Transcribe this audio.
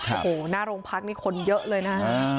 โอ้โหหน้าโรงพักนี่คนเยอะเลยนะ